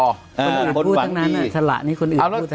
คนอื่นพูดทั้งนั้นอ่ะสละนี้คนอื่นพูดทั้งนั้นอ่ะ